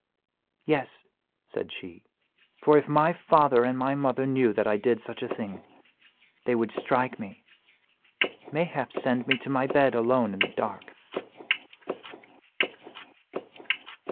"Yes," said she, "for if my father and my mother knew that I did such a thing, they would strike me, mayhap send me to my bed alone in the dark."